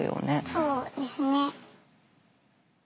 そうですね。